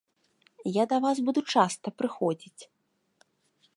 Яда вас буду часта прыходзіць!